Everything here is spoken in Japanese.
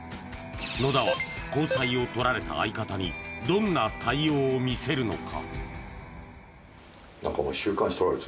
野田は交際を撮られた相方にどんな対応を見せるのか